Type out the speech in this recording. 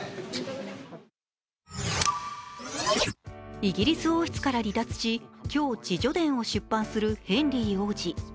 イギリス王室から離脱し今日、自叙伝を出版するヘンリー王子。